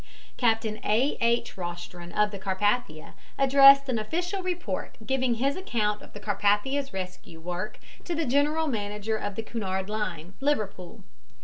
Captain A. H. Rostron, of the Carpathia, addressed an official report, giving his account of the Carpathia's rescue work, to the general manager of the Cunard Line, Liverpool.